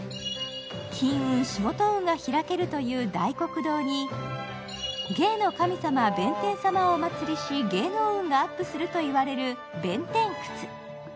金運・仕事運が開けるという大黒堂に芸の神様・弁天様をお祭りし、芸能運がアップすると言われる弁天窟。